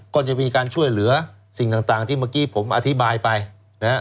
ก็จะมีการช่วยเหลือสิ่งต่างที่เมื่อกี้ผมอธิบายไปนะฮะ